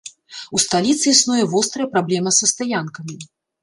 У сталіцы існуе вострая праблема са стаянкамі.